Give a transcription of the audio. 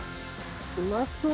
うまそう。